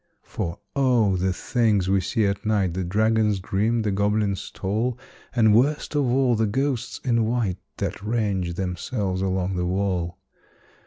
For O! the things we see at night The dragons grim, the goblins tall, And, worst of all, the ghosts in white That range themselves along the wall!